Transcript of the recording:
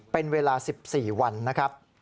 เป็นเวลา๑๔วันนะครับ